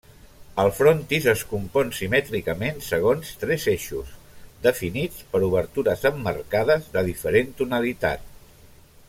El frontis es compon simètricament segons tres eixos, definits per obertures emmarcades de diferent tonalitat.